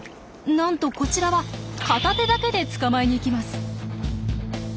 なんとこちらは片手だけで捕まえにいきます。